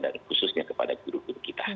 dan khususnya kepada guru guru